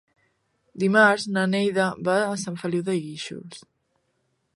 Dimarts na Neida va a Sant Feliu de Guíxols.